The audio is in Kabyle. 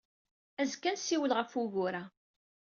Azekka ad nessiwel ɣef wugur-a.